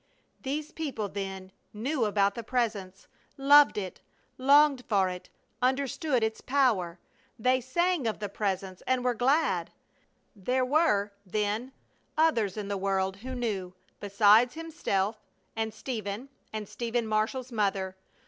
These people, then, knew about the Presence, loved it, longed for it, understood its power! They sang of the Presence and were glad! There were, then, others in the world who knew, besides himself and Stephen and Stephen Marshall's mother!